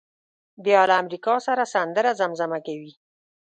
بیا له امریکا سره سندره زمزمه کوي.